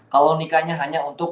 kalau nikahnya hanya untuk